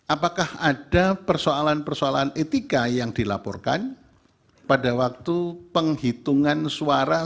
apakah ada persoalan persoalan etika yang dilaporkan pada waktu penghitungan suara